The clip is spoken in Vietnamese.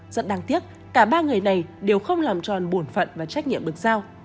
rất đáng tiếc cả ba người này đều không làm tròn bổn phận và trách nhiệm được giao